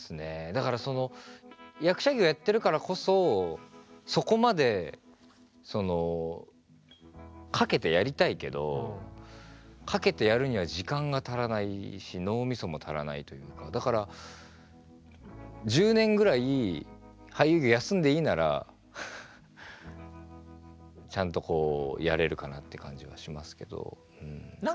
だからその役者業やってるからこそそこまで懸けてやりたいけど懸けてやるには時間が足らないし脳みそも足らないというかだから１０年ぐらい俳優業休んでいいならちゃんとこうやれるかなって感じはしますけどうん。